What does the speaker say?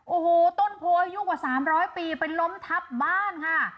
โอ้โหต้นโพอายุกว่า๓๐๐ปีไปล้มทับบ้านค่ะ